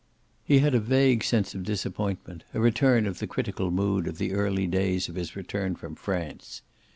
He had a vague sense of disappointment, a return of the critical mood of the early days of his return from France.